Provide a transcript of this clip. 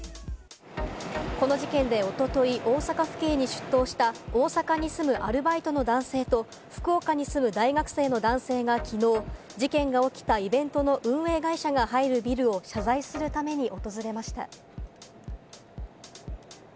この事件でおととい、大阪府警に出頭した、大阪に住むアルバイトの男性と福岡に住む大学生の男性がきのう、事件が起きたイベントの運営会社が入るビルを謝罪するために訪れました。